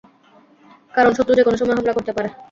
কারণ শত্রু যেকোনো সময়ে হামলা করতে পারে।